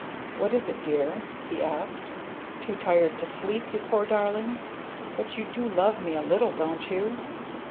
"What is it, Dear?" he asked. "Too tired to sleep, you poor darling? But you do love me a little, don't you?"